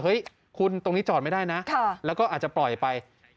เฮ้ยคุณตรงนี้จอดไม่ได้นะแล้วก็อาจจะปล่อยไป